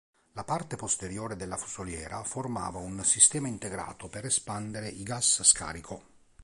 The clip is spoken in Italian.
La parte posteriore della fusoliera formava un sistema integrato per espandere i gas scarico.